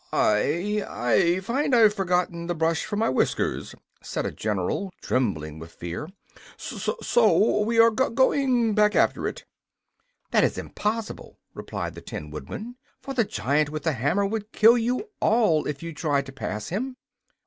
"I I find I've forgotten the brush for my whiskers," said a general, trembling with fear. "S s so we are g going back after it!" "That is impossible," replied the Tin Woodman. "For the giant with the hammer would kill you all if you tried to pass him."